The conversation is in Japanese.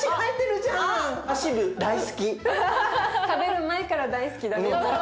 食べる前から大好きだね。